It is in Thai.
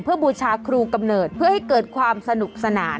เพื่อบูชาครูกำเนิดเพื่อให้เกิดความสนุกสนาน